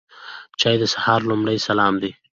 چای د سهار لومړی سلام دی.